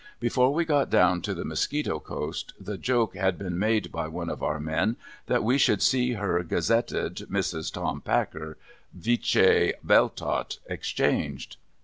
Before we got down to the Mosquito coast, the joke had been made by one of our men, that we should see her gazetted Mrs. Tom Packer, 77V<? Belltott exchanged.